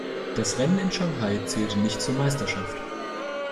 Das Rennen in Shanghai zählte nicht zur Meisterschaft.